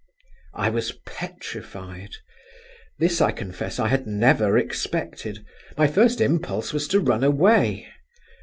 I was petrified. This, I confess, I had never expected. My first impulse was to run away.